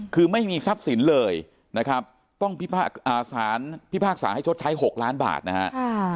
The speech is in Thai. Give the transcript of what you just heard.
คือไม่มีทรัพย์สินเลยนะครับต้องสารพิพากษาให้ชดใช้๖ล้านบาทนะฮะ